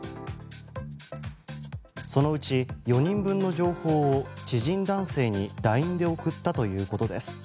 そのうち４人分の情報を知人男性にＬＩＮＥで送ったということです。